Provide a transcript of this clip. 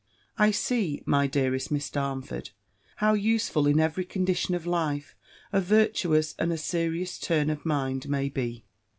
"I see, my dearest Miss Darnford, how useful in every condition of life a virtuous and a serious turn of mind may be!